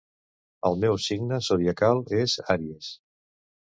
El meu signe zodiacal és àries.